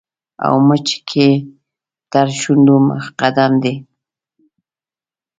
او مچکې تر شونډو مقدم دې